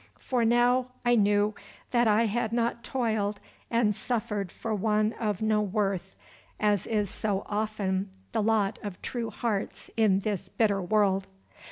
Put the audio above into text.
For now I knew that I had not toiled and suffered for one of no worth, as is so often the lot of true hearts in this bitter world.